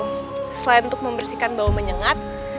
maka jika airnya menciptakan bau menyengat